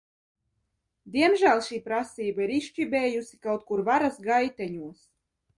Diemžēl šī prasība ir izčibējusi kaut kur varas gaiteņos.